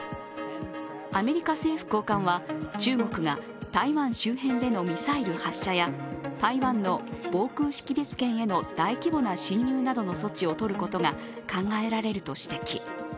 アメリカ政府高官は中国が台湾周辺でのミサイル発射や台湾の防空識別圏への大規模な進入などの措置をとることが考えられると指摘。